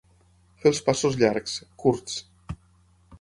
Fer els passos llargs, curts.